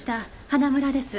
花村です。